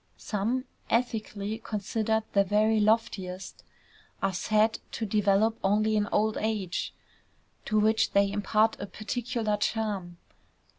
Some, ethically considered the very loftiest, are said to develop only in old age, to which they impart a particular charm.